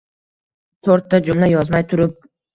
To’rtta jumla yozmay turib